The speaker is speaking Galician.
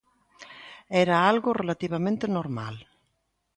Era algo relativamente normal.